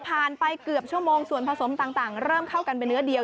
ไปเกือบชั่วโมงส่วนผสมต่างเริ่มเข้ากันเป็นเนื้อเดียว